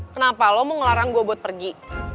kenapa lo mau ngelarang gue buat pergi